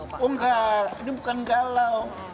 oh enggak ini bukan galau